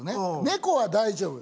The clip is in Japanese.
猫は大丈夫。